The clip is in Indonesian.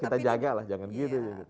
kita jagalah jangan gitu